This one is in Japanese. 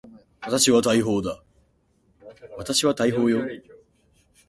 私は大砲です。